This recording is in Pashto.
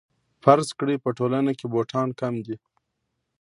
فرض کړئ په ټولنه کې بوټان کم دي